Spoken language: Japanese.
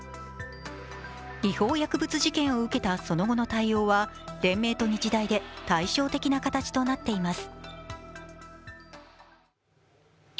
違法薬物事件を受けたその後の対応は連盟と日大で対照的な形となっています。